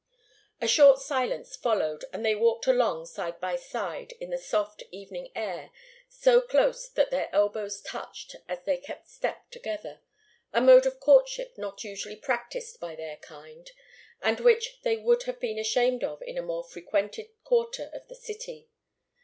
A short silence followed, and they walked along side by side in the soft evening air, so close that their elbows touched, as they kept step together a mode of courtship not usually practised by their kind, and which they would have been ashamed of in a more frequented quarter of the city.